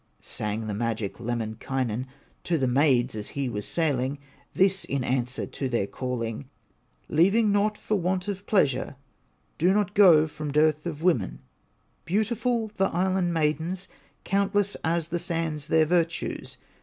Sang the magic Lemminkainen To the maids as he was sailing, This in answer to their calling: "Leaving not for want of pleasure, Do not go from dearth of women Beautiful the island maidens, Countless as the sands their virtues.